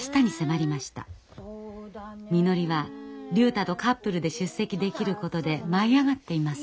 みのりは竜太とカップルで出席できることで舞い上がっています。